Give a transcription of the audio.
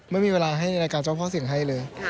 ไม่มีเวลาให้รายการเจ้าพ่อสิ่งให้เลย